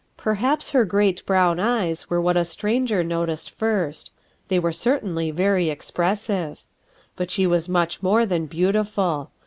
Perhaps her great brown eyea were what a stranger noticed first; they were certainly very expressive. But she was much more than beautiful.